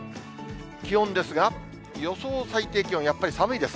気温ですが、予想最低気温、やっぱり寒いです。